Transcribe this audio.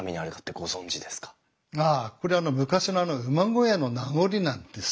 あこれ昔のあの馬小屋の名残なんですよ。